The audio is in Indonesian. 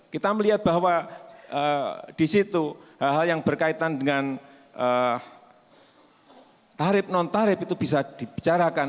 kita melihat bahwa di situ hal hal yang berkaitan dengan tarif non tarif itu bisa dibicarakan